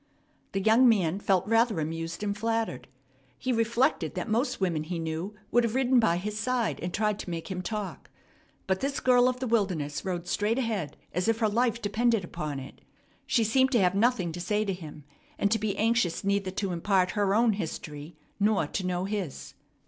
The young man felt rather amused and flattered. He reflected that most women he knew would have ridden by his side, and tried to make him talk. But this girl of the wilderness rode straight ahead as if her life depended upon it. She seemed to have nothing to say to him, and to be anxious neither to impart her own history nor to know his.